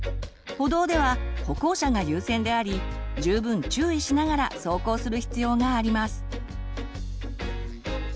歩道では歩行者が優先であり十分注意しながら走行する必要があります。